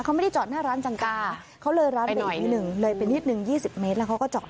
เขาไม่ได้จอดหน้าร้านจังกาเขาเลยร้านไปนิดนึง๒๐เมตรแล้วเขาก็จอด